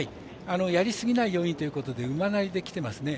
やり過ぎないようにということで馬なりできてますね。